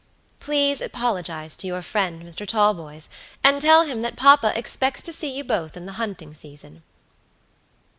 Please apologize to your friend Mr. Talboys, and tell him that papa expects to see you both in the hunting season."